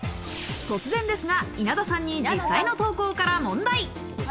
突然ですが、稲田さんに実際の投稿から問題。